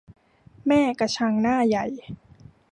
แม่กระชังหน้าใหญ่